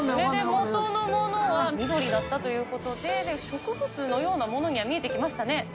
元のものは緑だったということで、植物のようなものには見えてきましたね。